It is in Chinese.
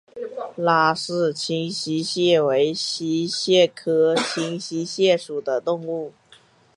拉氏清溪蟹为溪蟹科清溪蟹属的动物。